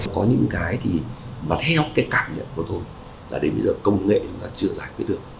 có những cái thì mà theo cái cảm nhận của tôi là đến bây giờ công nghệ chúng ta chưa giải quyết được